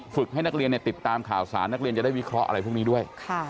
ให้นักเรียนติดตามข่าวสารนักเรียนจะได้วิเคราะห์อะไรพวกนี้ด้วย